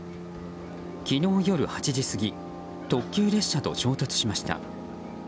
昨日夜８時過ぎ特急列車と衝突しました。